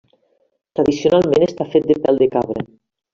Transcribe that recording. Tradicionalment està fet de pèl de cabra.